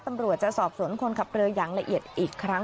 ตำรวจจะสอบสวนคนขับเรืออย่างละเอียดอีกครั้ง